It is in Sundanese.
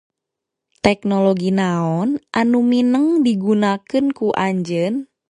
Teknologi naon anu mineng digunakeun ku anjeun?